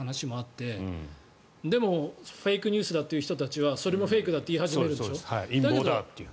それに関しての音声があるのではという話もあってでも、フェイクニュースだという人たちはそれもフェイクだと言い始めるでしょ。